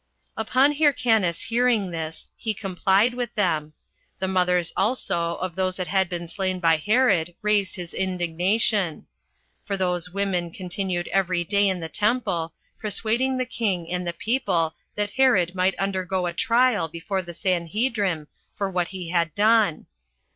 4. Upon Hyrcanus hearing this, he complied with them. The mothers also of those that had been slain by Herod raised his indignation; for those women continued every day in the temple, persuading the king and the people that Herod might undergo a trial before the Sanhedrim for what he had done.